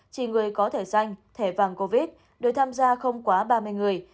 chỉ người có thẻ xanh thẻ vàng covid được tham gia không quá ba mươi người